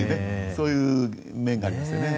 そういう面がありますよね。